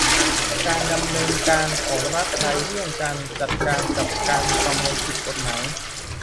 การดำเนินการของรัฐบาลไทยเรื่องการจัดการกับการประมงผิดกฎหมาย